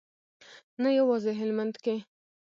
نه یوازې هلمند کې.